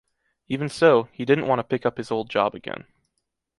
Even so, he didn’t want to pick up his old job again.